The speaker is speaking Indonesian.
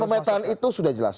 pemetaan itu sudah jelas